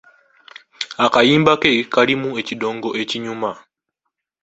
Akayimba ke kalimu ekidongo ekinyuma.